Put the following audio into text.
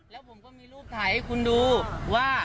แล้วผมก็มีรูปถ่ายให้คุณดูว่า